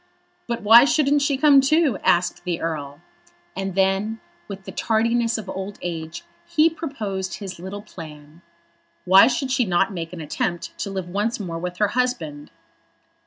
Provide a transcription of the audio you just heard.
"But why shouldn't she come too?" asked the Earl. And then, with the tardiness of old age, he proposed his little plan. "Why should she not make an attempt to live once more with her husband?"